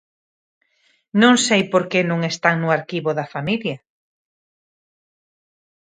Non sei porque non están no arquivo da familia.